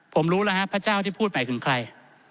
ผมรู้แล้วครับพระเจ้าที่พูดหมายถึงใคร